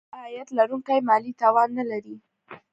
ټیټ عاید لرونکي مالي توان نه لري.